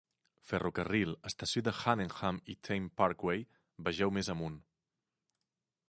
Ferrocarril - estació de Haddenham i Thame Parkway - vegeu més amunt.